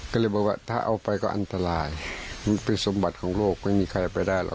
ก็เลยบอกว่าถ้าเอาไปก็อันตรายมันเป็นสมบัติของโลกไม่มีใครไปได้หรอก